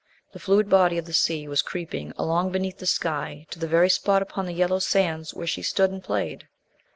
The fluid body of the sea was creeping along beneath the sky to the very spot upon the yellow sands where she stood and played.